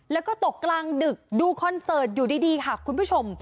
แล้วก็ตกกลางดึกดูคอนเสิร์ตอยู่ดีค่ะคุณผู้ชม